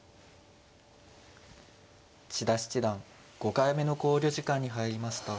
千田七段５回目の考慮時間に入りました。